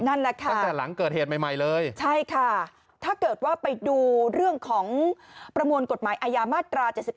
นั่นแหละค่ะใช่ค่ะถ้าเกิดว่าไปดูเรื่องของประมวลกฎหมายอายามาตรา๗๘